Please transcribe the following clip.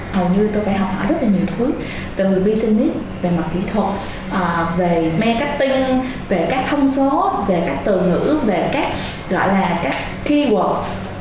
hầu như tôi phải học hỏi rất là nhiều thứ từ pici về mặt kỹ thuật về marketing về các thông số về các từ ngữ về các gọi là các thi quần